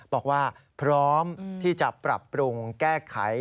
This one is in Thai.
บอกว่าพร้อมที่จะปรับปรุงแก้ไข